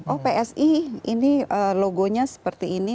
oh psi ini logonya seperti ini